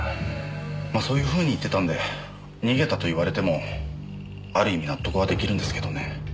まあそういうふうに言ってたんで逃げたと言われてもある意味納得はできるんですけどね。